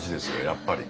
やっぱり。